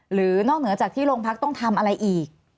นอกเหนือจากที่โรงพักต้องทำอะไรอีก